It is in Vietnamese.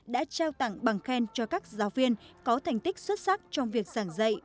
đã trao tặng bằng khen cho các giáo viên có thành tích xuất sắc trong việc giảng dạy